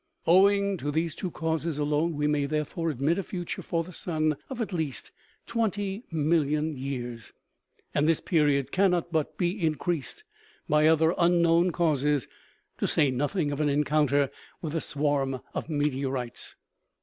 Owing to these two causes alone we may, therefore, admit a future for the sun of at least twenty million years ; and this period cannot but be increased by other unknown causes, to say nothing of an encounter with a swarm of meteorites.